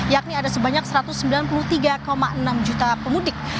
yakni ada sebanyak satu ratus sembilan puluh tiga enam juta pemudik